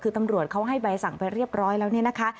คือตำรวจเขาให้ใบสั่งไปเรียบร้อยแล้วเนี่ยนะคะ